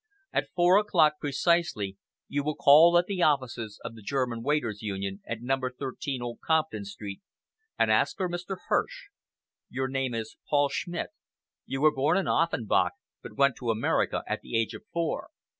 At four o'clock precisely you will call at the offices of the German Waiters' Union, at No. 13, Old Compton Street, and ask for Mr. Hirsch. Your name is Paul Schmidt. You were born in Offenbach, but went to America at the age of four.